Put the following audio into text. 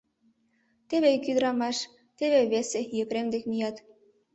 Теве ик ӱдырамаш, теве весе Епрем дек мият.